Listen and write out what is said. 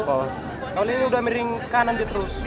kalau ini sudah miring kanan di terus